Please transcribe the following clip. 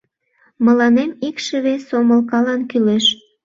Мыланем икшыве сомылкалан кӱлеш.